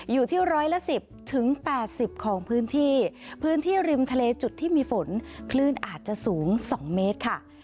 อยู่ที่ร้อยละ๑๐๘๐ของพื้นที่พื้นที่ริมทะเลจุดที่มีฝนคลื่นอาจจะสูง๒เมตรค่ะ